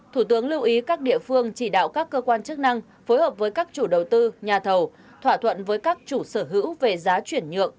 thủ tướng lưu ý các địa phương chỉ đạo các cơ quan chức năng phối hợp với các chủ đầu tư nhà thầu thỏa thuận với các chủ sở hữu về giá chuyển nhượng